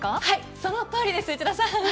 そのとおりです、内田さん。